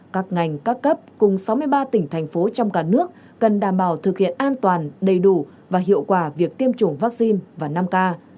các ngành các cấp cùng sáu mươi ba tỉnh thành phố trong cả nước cần đảm bảo thực hiện an toàn đầy đủ và hiệu quả việc tiêm chủng vaccine và năm k